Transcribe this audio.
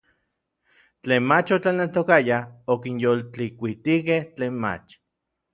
Tlen mach otlaneltokayaj okinyoltlikuitijkej tlen mach.